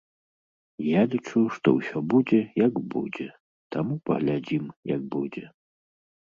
Я лічу, што ўсё будзе як будзе, таму паглядзім, як будзе.